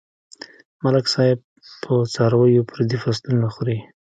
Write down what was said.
ملک صاحب په څارويو پردي فصلونه خوري.